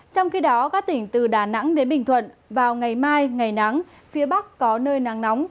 trong khi đó các tỉnh từ đà nẵng đến bình thuận vào ngày mai ngày nắng phía bắc có nơi nắng nóng